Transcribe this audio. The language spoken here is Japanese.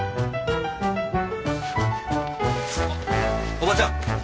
おばちゃん。